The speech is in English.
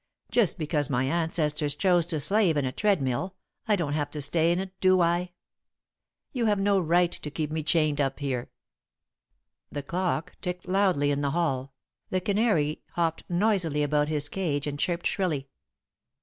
Just because my ancestors chose to slave in a treadmill, I don't have to stay in it, do I? You have no right to keep me chained up here!" [Sidenote: Released] The clock ticked loudly in the hall, the canary hopped noisily about his cage and chirped shrilly.